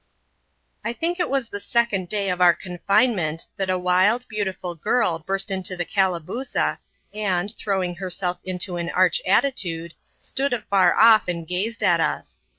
I think it was the second day of our confinement, that a wild, beautiful girl burst into the Calabooza, and, throwing herself iato an arch attitude, stood afar off, and gazed at us.